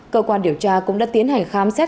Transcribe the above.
cơ quan điều tra cũng đã tiến hành khám xét